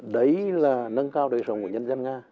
đấy là nâng cao đời sống của nhân dân nga